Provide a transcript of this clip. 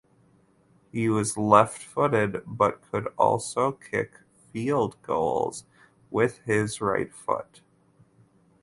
He was left–footed but could also kick field goals with his right foot.